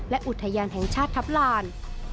และอุทยานแห่งชาติทัพลาน